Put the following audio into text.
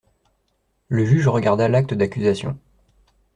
Le juge regarda l’acte d’accusation.